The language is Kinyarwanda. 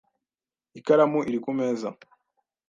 Ikaramu iri ku meza .